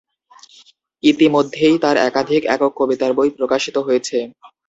ইতিমধ্যেই তার একাধিক একক কবিতার বই প্রকাশিত হয়েছে।